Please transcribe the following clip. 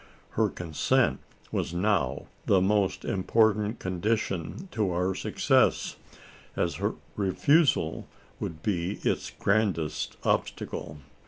Her consent was now the most important condition to our success as her refusal would be its grandest obstacle.